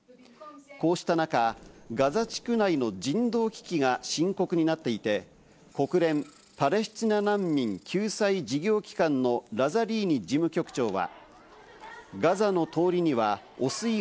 こうした中、ガザ地区内の人道危機が深刻になっていて国連パレスチナ難民救済事業機関のラザリーニ事務局長わ！